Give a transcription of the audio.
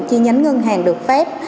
chi nhánh ngân hàng được phép